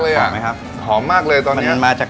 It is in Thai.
เลยอ่ะหอมไหมครับหอมมากเลยตอนนี้มันมาจาก